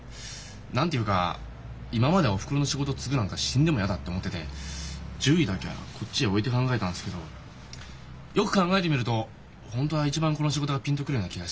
何て言うか今までおふくろの仕事継ぐなんか死んでも嫌だって思ってて獣医だけはこっちへ置いて考えてたんですけどよく考えてみると本当は一番この仕事がピンと来るような気がして。